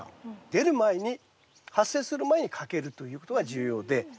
出る前に発生する前にかけるということが重要で。